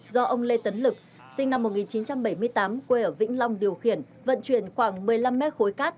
do ông lê tấn lực sinh năm một nghìn chín trăm bảy mươi tám quê ở vĩnh long điều khiển vận chuyển khoảng một mươi năm mét khối cát